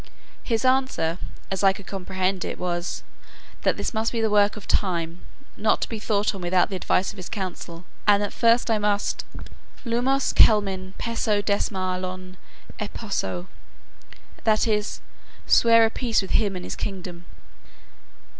His answer, as I could comprehend it, was, "that this must be a work of time, not to be thought on without the advice of his council, and that first I must lumos kelmin pesso desmar lon emposo;" that is, swear a peace with him and his kingdom.